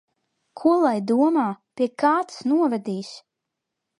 Ko lai domā? Pie kā tas novedīs?